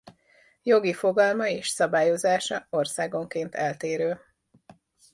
Jogi fogalma és szabályozása országonként eltérő.